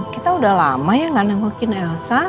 kita udah lama ya gak nengokin elsa